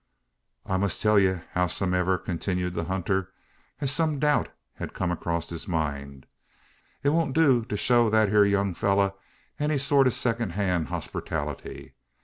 "I must tell ye, howsomdiver," continued the hunter, as some doubt had come across his mind, "it won't do to show that 'ere young fellur any sort o' second hand hospertality.